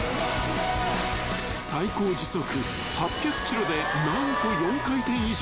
［最高時速８００キロで何と４回転以上］